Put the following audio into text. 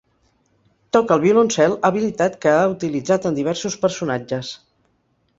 Toca el violoncel, habilitat que ha utilitzat en diversos personatges.